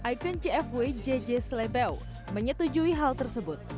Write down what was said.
icon cfw jj slebeo menyetujui hal tersebut